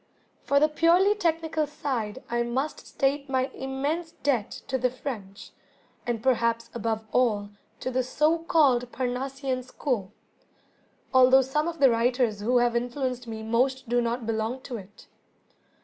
For the purely technical side I must state my immense debt to the French, and perhaps above all to the, so called, Parnassian School, although some of the writers who have influenced me most do not belong to it.